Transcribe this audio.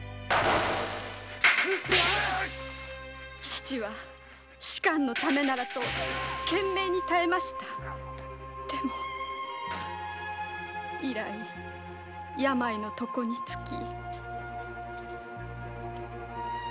父は仕官のためならと懸命に耐えましたでも以来病の床につき。